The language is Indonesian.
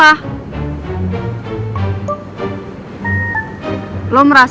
abis itu benedok kepacet